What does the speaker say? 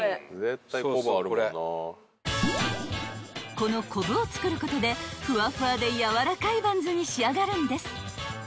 ［このコブを作ることでふわふわでやわらかいバンズに仕上がるんです］